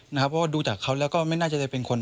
นะครับเพราะดูจากเขาแล้วก็ไม่น่าจะเป็นคน